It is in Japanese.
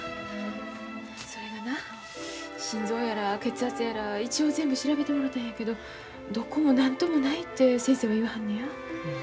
それがな心臓やら血圧やら一応全部調べてもろたんやけどどこも何ともないて先生は言わはるのや。